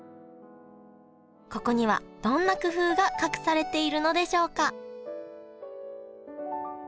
ここにはどんな工夫が隠されているのでしょうか？